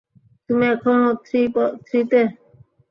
তুমি এখনও থ্রি তে?